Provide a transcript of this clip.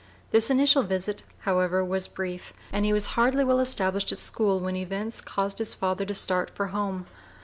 This initial visit, however, was brief; and he was hardly well established at school when events caused his father to start for home.